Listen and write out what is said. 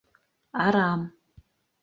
Арам!